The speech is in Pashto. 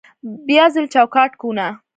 بیا ځلې چوکاټ کوونه